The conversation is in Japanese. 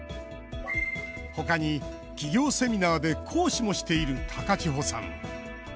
他に、企業セミナーで講師もしている高千穂さん。